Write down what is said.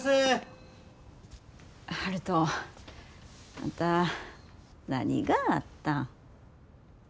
あんた何があったん？